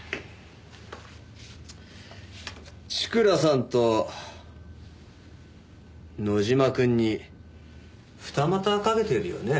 千倉さんと野島くんに二股かけてるよね？